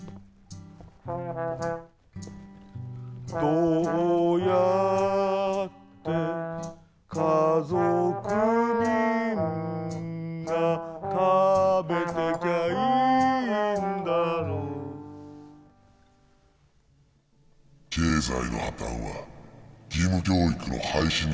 「どうやって家族みんな食べてきゃいいんだろう」経済の破綻は義務教育の廃止につながった。